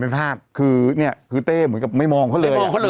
เป็นภาพคือเนี้ยคือเต้เหมือนกับไม่มองเขาเลยไม่มองเขาเลย